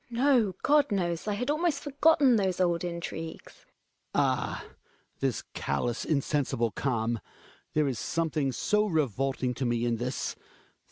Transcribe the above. No; God knows, I had almost forgotten those old intrigues. Ci£S Hjalmar. Ah ! This callous, insensible calm ! There is something so revolting to me in this